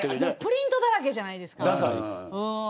プリントだらけじゃないですか。